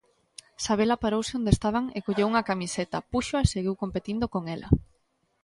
Sabela parouse onde estaban e colleu unha camiseta, púxoa e seguiu competindo con ela.